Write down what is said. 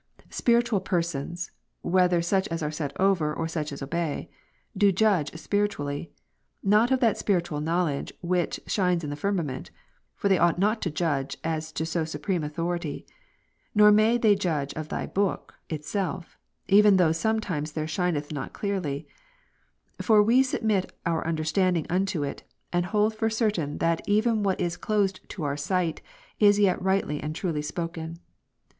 — Spiritual persons, (whether such as are set over, or such as obey ;) do judge spiritually ; not of that spiritual knowledge which shines in the firmament, (for they ought not to judge as to so supreme authority,) nor may they judge of Thy Book itself, even though something there shineth not clearly ; for we submit our understanding unto it, and hold for certain, that even what is closed to our sight, is yet rightly and truly spoken.